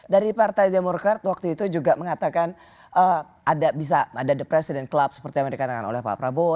dari partai demokrat waktu itu juga mengatakan bisa ada the president club seperti yang dikatakan oleh pak prabowo